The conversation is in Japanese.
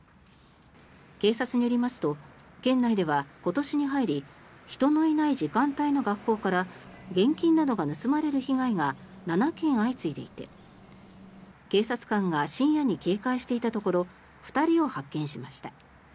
警察によりますと県内では今年に入り人のいない時間帯の学校から現金などが盗まれる被害が７件相次いでいて警察官が深夜に警戒していたところ２人を発見しました。